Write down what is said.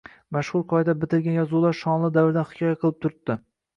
Mashhur qoyada bitilgan yozuvlar shonli davrlardan hikoya qilib turibdi.